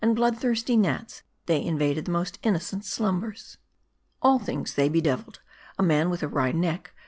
blood thirsty gnats, they invaded the most innocent slumbers. All things they bedeviled. A man with a wry neck M A R D I.